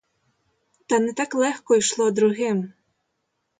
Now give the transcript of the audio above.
Та не так легко йшло другим.